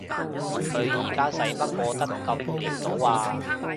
佢而家使乜過得咁潦倒啊？